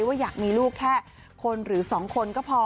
ว่าอยากมีลูกแค่คนหรือ๒คนก็พอ